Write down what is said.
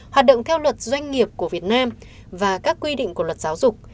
hoạt động theo luật doanh nghiệp của việt nam và các quy định của luật giáo dục